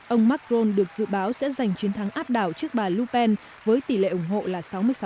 ông macron được dự báo sẽ giành chiến thắng áp đảo trước bà lupen với tỷ lệ ủng hộ là sáu mươi sáu